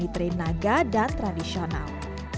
diterima dan tradisional